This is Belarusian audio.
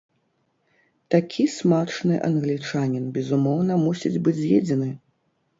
Такі смачны англічанін, безумоўна, мусіць быць з'едзены.